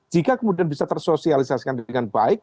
jika kemudian bisa tersosialisasikan dengan baik